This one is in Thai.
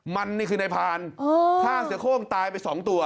มันนี่คือนายพานฆ่าเสือโค้งตายไปสองตัว